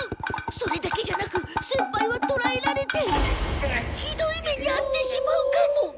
それだけじゃなく先輩はとらえられてひどい目にあってしまうかも。